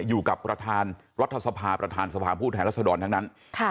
อยู่กับประธานรัฐสภาประธานสภาผู้แทนรัศดรทั้งนั้น